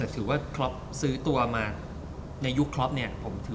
ถือว่าครอปซื้อตัวมาในยุคคล็อปเนี่ย